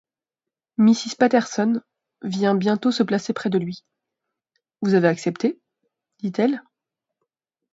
Mrs Patterson vint bientôt se placer près de lui: « Vous avez accepté?... dit-elle.